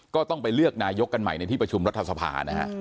ก็ต้องไปเลือกนายกกันใหม่ในที่ประชุมรัฐสภานะฮะ